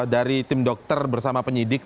dari tim dokter bersama penyidik